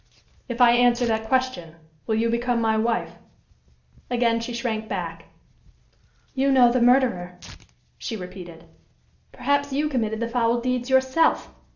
"If I answer that question, will you become my wife?" Again she shrank back. "You know the murderer," she repeated. "Perhaps you committed the foul deeds yourself."